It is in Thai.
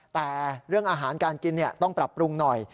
แต่เรื่องอาหารการกินต้องปรับปรุงหน่อย